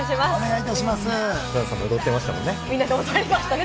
黒田さんも踊ってましたもんね。